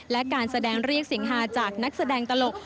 และการแสดงเรียกเสียงฮาจากนักแสดงตลก